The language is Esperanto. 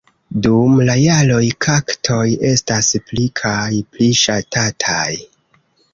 Dum la jaroj kaktoj estas pli kaj pli ŝatataj.